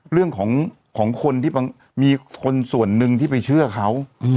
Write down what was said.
เรื่องของคนที่มีคนส่วนหนึ่งที่ไปเชื่อเขา